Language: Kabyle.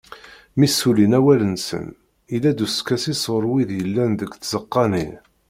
Mi ssulin awal-nsen, yella-d uskasi sɣur wid yellan deg tzeqqa-nni.